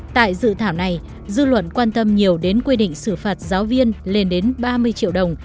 tại dự thảo này dư luận quan tâm nhiều đến quy định xử phạt giáo viên lên đến ba mươi triệu đồng